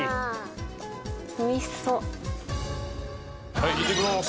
はいいってきます。